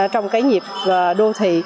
trong cái nhịp đô thị